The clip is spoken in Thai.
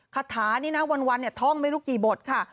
คาถานี่นะวันเนี่ยท่องไม่รู้กี่บทค่ะ